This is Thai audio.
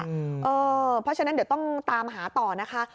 เพราะฉะนั้นเดี๋ยวต้องตามหาต่อนะคะ